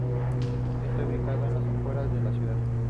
Está ubicado en las afueras de la ciudad.